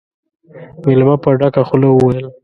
مېلمه په ډکه خوله وويل: